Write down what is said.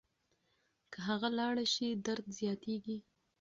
که هغه لاړه شي درد زیاتېږي.